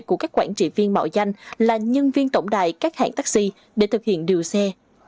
của các quản trị viên mạo danh là nhân viên tổng đài các hãng taxi để thực hiện điều xe